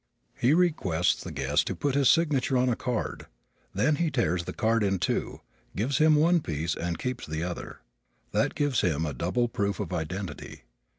He requests the guest to put his signature on a card. Then he tears the card in two, gives him one piece and keeps the other. That gives him a double proof of identity.